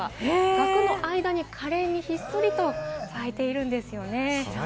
ガクの間に可憐にひっそりと咲いているんですよね。